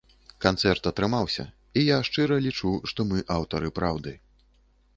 Канцэрт атрымаўся, і я шчыра лічу, што мы аўтары праўды.